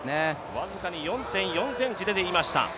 僅かに４．４ｃｍ出ていました。